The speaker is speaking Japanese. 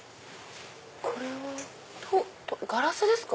これはガラスですか？